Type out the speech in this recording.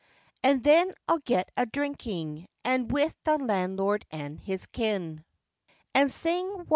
And then I'll get a drinking with the landlord and his kin. And sing, &c.